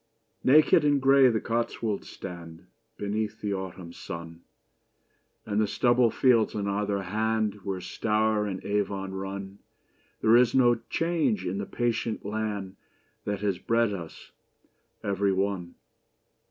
Naked and grey the Cotswolds stand Before Beneath the autumn sun, Edgehill And the stubble fields on either hand October Where Stour and Avon run, 1642. There is no change in the patient land That has bred us every one.